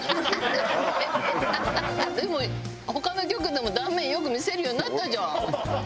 でも他の局でも断面よく見せるようになったじゃん。